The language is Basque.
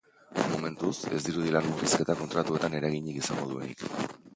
Momentuz, ez dirudi lan murrizketa kontratuetan eraginik izango duenik.